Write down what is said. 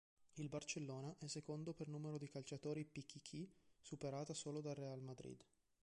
Il Barcellona è secondo per numero di calciatori Pichichi superata solo dal Real Madrid.